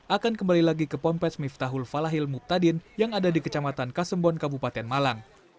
akan kembali lagi ke pompes miftahul falahil muktadin yang ada di kecamatan kasembon kabupaten malang